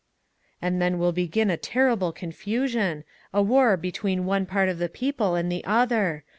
"And then will begin a terrible confusion, a war between one part of the people and the other.